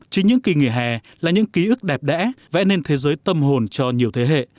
chính những kỳ nghỉ hè là những ký ức đẹp đẽ vẽ nên thế giới tâm hồn cho nhiều thế hệ